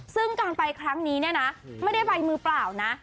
ซึ่งการไปครั้งนี้เนี่ยนะไม่ได้ไปมือเปล่านะ